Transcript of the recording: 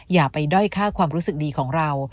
อย่าไปด้อยค่าความรู้สึกดีของเรา